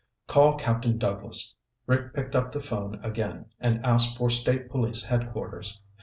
"Call Captain Douglas." Rick picked up the phone again and asked for State Police headquarters.